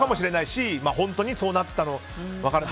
本当にそうなったのかも分からない。